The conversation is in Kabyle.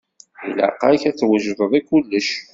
Ilaq-ak ad twejdeḍ i kullec.